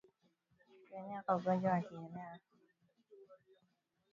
Kuenea kwa ugonjwa wa kiwele kwa ngombe